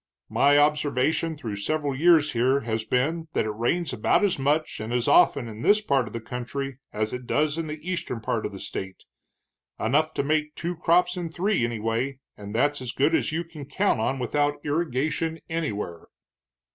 My observation through several years here has been that it rains about as much and as often in this part of the country as it does in the eastern part of the state, enough to make two crops in three, anyway, and that's as good as you can count on without irrigation anywhere."